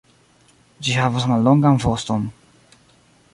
Ĝi havas mallongan voston.